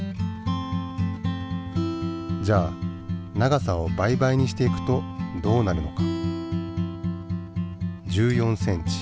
じゃあ長さを倍々にしていくとどうなるのか？